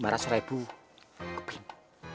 lima ratus ribu keping